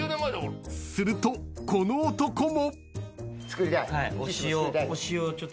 ［するとこの男も］